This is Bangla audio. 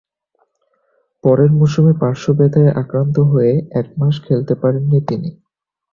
পরের মৌসুমে পার্শ্ব ব্যথায় আক্রান্ত হয়ে এক মাস খেলতে পারেননি তিনি।